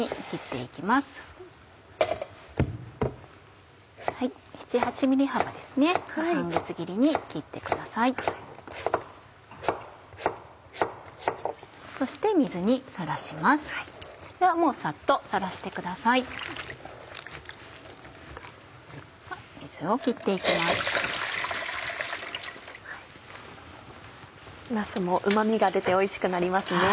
なすもうま味が出ておいしくなりますね。